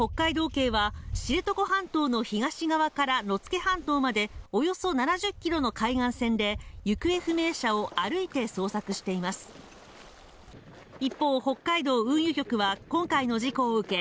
警は知床半島の東側から野付半島までおよそ７０キロの海岸線で行方不明者を歩いて捜索しています一方北海道運輸局は今回の事故を受け